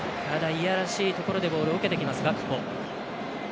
いやらしいところでボールを受けてきます、ガクポ。